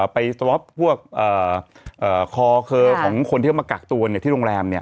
ไปสล็อคพวกคอเคอร์ของคนที่มากักตัวเนี่ยที่โรงแรมเนี่ย